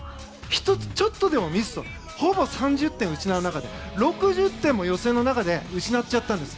１つちょっとでもミスすると３０点を失う中で６０点も予選の中で失っちゃったんです。